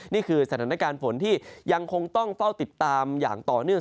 นี่คือสถานการณ์ฝนที่ยังคงต้องเฝ้าติดตามอย่างต่อเนื่อง